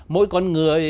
mỗi con người